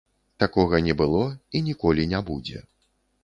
Такога не было і ніколі не будзе.